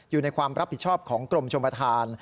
อยู่ในความรับผิดชอบของกรมชมประธาน